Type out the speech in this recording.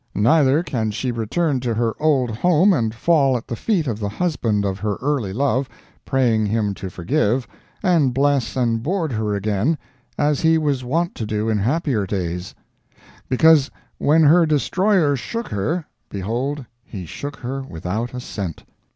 Neither can she return to her old home and fall at the feet of the husband of her early love, praying him to forgive, and bless and board her again, as he was wont to do in happier days; because when her destroyer shook her, behold he shook her without a cent.